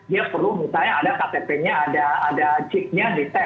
dia perlu misalnya ada ktp nya ada cik nya di tab